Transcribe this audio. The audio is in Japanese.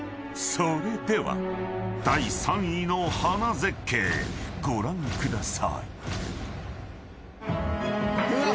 ［それでは第３位の花絶景ご覧ください］え！